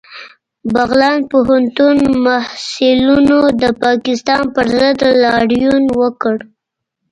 بغلان پوهنتون محصلینو د پاکستان پر ضد لاریون وکړ